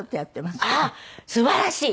すばらしい。